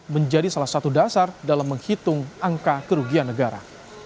menjadi salah satu dasar dalam menghitung angka kerugian negara